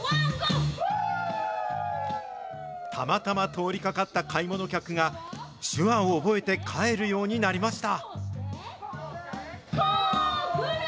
たまたま通りかかった買い物客が、手話を覚えて帰るようになりました。